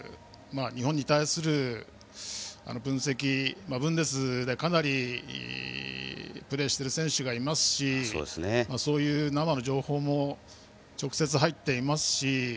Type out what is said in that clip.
日本に対する分析、ブンデスでプレーしている選手がいますしそういう生の情報も直接入っていますし。